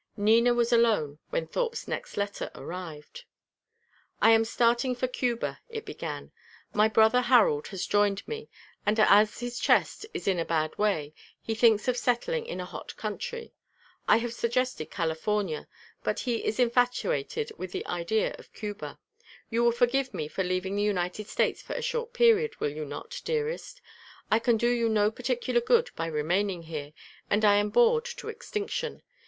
Nina was alone when Thorpe's next letter arrived. "I am starting for Cuba," it began. "My brother Harold has joined me; and as his chest is in a bad way, he thinks of settling in a hot country. I have suggested California; but he is infatuated with the idea of Cuba. You will forgive me for leaving the United States for a short period, will you not, dearest? I can do you no particular good by remaining here, and I am bored to extinction.